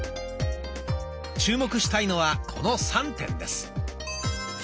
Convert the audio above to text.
注目したいのはこの３点です。